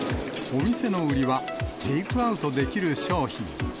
お店の売りは、テイクアウトできる商品。